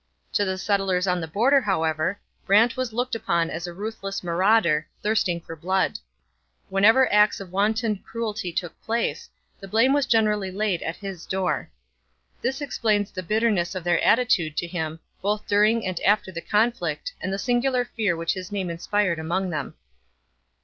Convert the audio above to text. To the settlers on the border, however, Brant was looked upon as a ruthless marauder, thirsting for blood. Whenever acts of wanton cruelty took place, the blame was generally laid at his door. This explains the bitterness of their attitude to him both during and after the conflict and the singular fear which his name inspired among them.